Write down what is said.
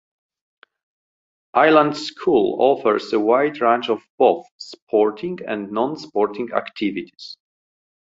Island School offers a wide range of both sporting and non-sporting activities.